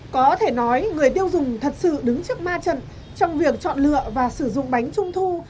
có thể nói người tiêu dùng thật sự đứng trước ma trận trong việc chọn lựa và sử dụng bánh trung thu